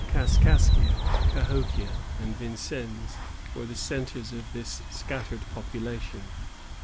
Kaskaskia, Cahokia, and Vincennes were the centres of this scattered population.